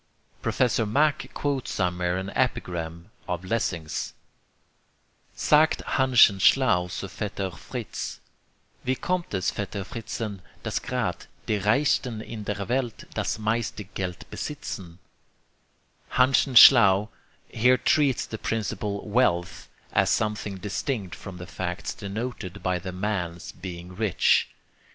Professor Mach quotes somewhere an epigram of Lessing's: Sagt Hanschen Schlau zu Vetter Fritz, "Wie kommt es, Vetter Fritzen, Dass grad' die Reichsten in der Welt, Das meiste Geld besitzen?" Hanschen Schlau here treats the principle 'wealth' as something distinct from the facts denoted by the man's being rich.